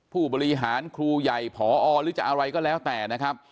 ผู้บริหารครูใหญ่พอหรือจะอะไรก็แล้วแต่นะครับ